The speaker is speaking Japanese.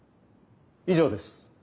以上です。